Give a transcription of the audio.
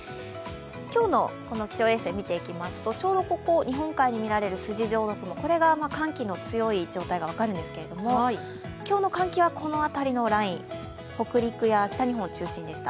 今日の気象衛星、見ていきますとちょうどここ、日本海に見られる筋状の雲、これが寒気の強い状態が分かるんですけど今日の寒気はこの辺りのライン、北陸や北日本が中心でした。